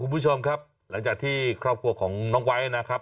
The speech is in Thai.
คุณผู้ชมครับหลังจากที่ครอบครัวของน้องไวท์นะครับ